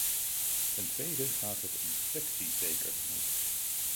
Ten tweede gaat het om flexizekerheid.